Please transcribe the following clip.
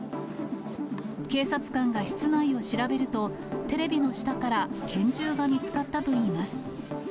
警察官が室内を調べると、テレビの下から拳銃が見つかったといいます。